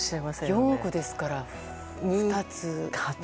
４億ですから、２つ。